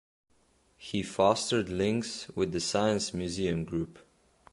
He fostered links with the Science Museum Group.